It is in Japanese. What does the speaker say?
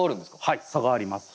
はい差があります。